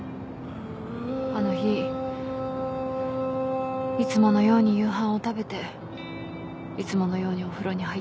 あの日いつものように夕飯を食べていつものようにお風呂に入ってベッドで眠りに就いた。